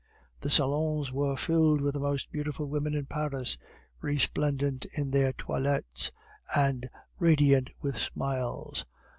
The salons were filled with the most beautiful women in Paris, resplendent in their toilettes, and radiant with smiles.